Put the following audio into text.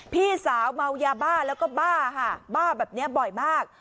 พี่สาวเมายาบ้าแล้วก็บ้าค่ะบ้าแบบนี้บ่อยมาก